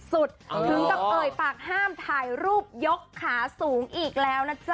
ถึงกับเอ่ยปากห้ามถ่ายรูปยกขาสูงอีกแล้วนะจ๊ะ